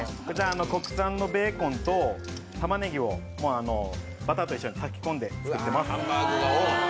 国産のベーコンとたまねぎをバターと一緒に炊き込んで作ってます。